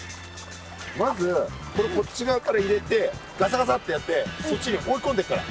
まずこれこっち側から入れてガサガサってやってそっちに追い込んでいくから。